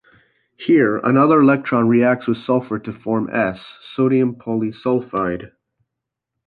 Here, another electron reacts with sulfur to form S, sodium polysulfide.